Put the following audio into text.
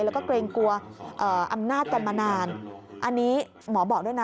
แล้วก็เกรงกลัวอำนาจกันมานานอันนี้หมอบอกด้วยนะ